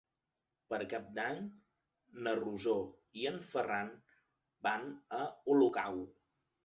Per Cap d'Any na Rosó i en Ferran van a Olocau.